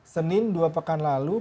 senin dua pekan lalu